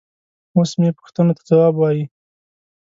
اوس مې پوښتنو ته ځواب وايي.